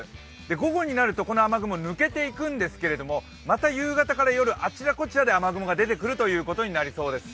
午後になると、この雨雲は抜けていくんですけども、また夕方から夜、あちらこちらで雨雲が出てくることになりそうです。